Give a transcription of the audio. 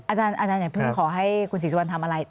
อาจารย์อย่าเพิ่งขอให้คุณศรีสุวรรณทำอะไร